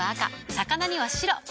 魚には白。